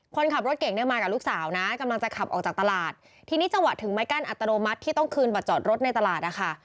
คนขับรถเก่งเนี่ยมากับลูกสาวนะกำลังจะขับออกจากตลาดทีนี้จังหวะถึงไม้กั้นอัตโนมัติที่ต้องคืนบัตรจอดรถในตลาดนะคะ